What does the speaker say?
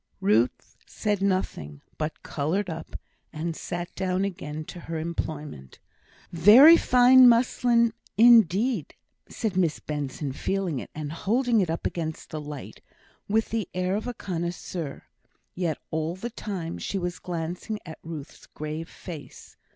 Ruth said nothing, but coloured up, and sat down again to her employment. "Very fine muslin indeed," said Miss Benson, feeling it, and holding it up against the light, with the air of a connoisseur; yet all the time she was glancing at Ruth's grave face.